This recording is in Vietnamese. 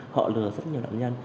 họ lừa rất nhiều động nhân